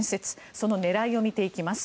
その狙いを見ていきます。